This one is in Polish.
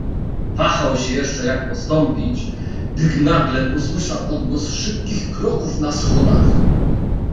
"Wahał się jeszcze jak postąpić, gdy nagle posłyszał odgłos szybkich kroków na schodach."